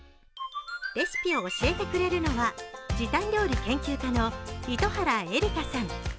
レシピを教えてくれるのは、時短料理研究家の糸原さん。